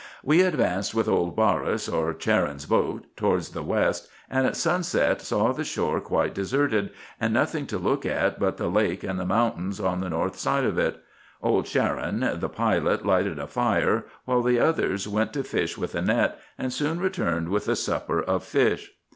We advanced with old Baris, or Charon's boat, towards the west, and at sunset saw the shore quite deserted, and nothing to look at but the lake and the mountains on the north side of it. Old Charon, the pilot, lighted a fire, while the other went to fish with a net, and soon returned with a supper of fish.